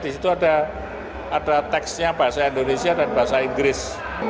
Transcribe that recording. di situ ada teksnya bahasa indonesia dan bahasa inggris